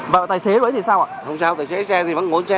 và tài xế đó thì sao ạ